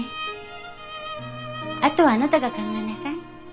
あとはあなたが考えなさい。